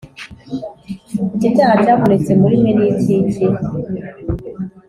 Icyo cyaha cyabonetse muri mwe ni icy iki